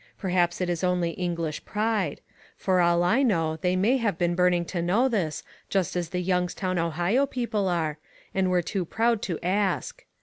Perhaps it is only English pride. For all I know they may have been burning to know this, just as the Youngstown, Ohio, people are, and were too proud to ask.